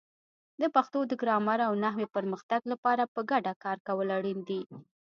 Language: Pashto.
د پښتو د ګرامر او نحوې پرمختګ لپاره په ګډه کار کول اړین دي.